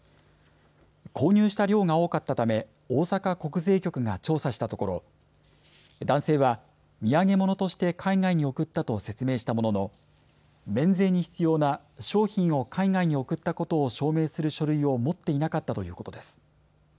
購入した量が多かったため大阪国税局が調査したところ、男性は土産物として海外に送ったと説明したものの免税に必要な商品を海外に送ったことを証明する書類を持っていなかったということです。